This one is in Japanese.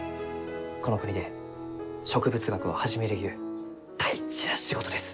この国で植物学を始めるゆう大事な仕事です。